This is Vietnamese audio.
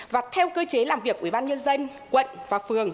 và theo cơ chế làm việc của ủy ban nhân dân quận và phường